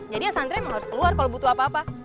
jadi ya pesantren memang harus keluar kalo butuh apa apa